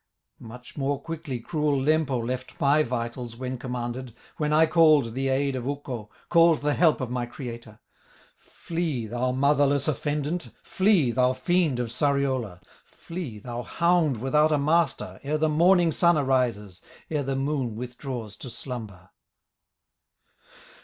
Much more quickly cruel Lempo Left my vitals when commanded, When I called the aid of Ukko, Called the help of my Creator. Flee, thou motherless offendant, Flee, thou fiend of Sariola, Flee, thou hound without a master, Ere the morning sun arises, Ere the Moon withdraws to slumber!"